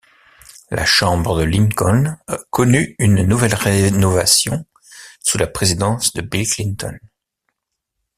La chambre de Lincoln connut une nouvelle rénovation sous la présidence de Bill Clinton.